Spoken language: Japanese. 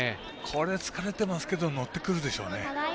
これ、疲れてますけど乗ってくるでしょうね。